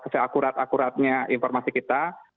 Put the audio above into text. seakurat akuratnya informasi kita